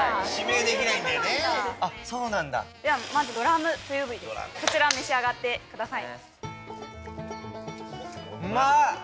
まずドラムという部位こちら召し上がってください。